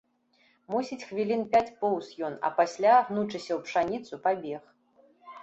Мусіць, хвілін пяць поўз ён, а пасля, гнучыся ў пшаніцу, пабег.